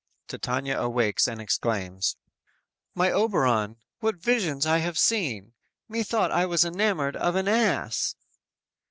"_ Titania awakes and exclaims: _"My Oberon, what visions have I seen! Methought I was enamored of an ass!"